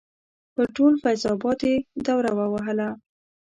پر ټول فیض اباد یې دوره ووهله.